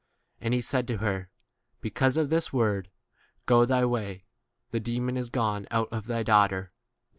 And he said to her, Because of this word, go thy way, the demon is gone 30 out of thy daughter.